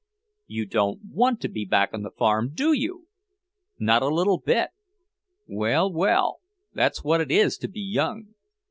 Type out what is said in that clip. "You don't want to be back on the farm, do you! Not a little bit! Well, well; that's what it is to be young!"